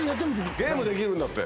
ゲームできるんだって。